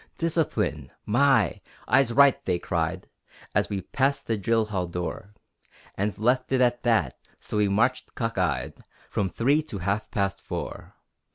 Discipline! My! "Eyes right!" they cried, As we passed the drill hall door, And left it at that so we marched cock eyed From three to half past four.